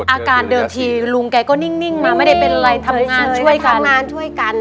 อาการเดินทีลุงแกก็นิ่งมาไม่ได้เป็นไรทำงานช่วยกัน